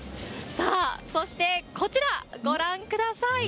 さあ、そしてこちら、ご覧ください。